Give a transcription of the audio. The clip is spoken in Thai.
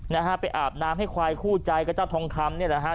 นะฮะไปอาบน้ำให้ควายคู่ใจกับเจ้าทองคำเนี่ยแหละฮะ